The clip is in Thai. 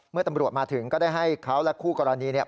เมื่อตำรวจมาถึงก็ได้ให้เขาและคู่กรณีเนี่ย